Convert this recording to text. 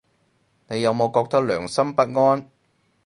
你有冇覺得良心不安